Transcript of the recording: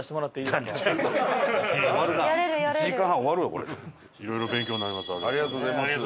いろいろ勉強になりました。